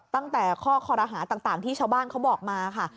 ตั้งแต่ข้อคอรหาต่างที่ชาวบ้านเขาบอกมาค่ะ